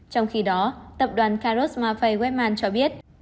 trong khi đó tập đoàn karos mafay webman cho biết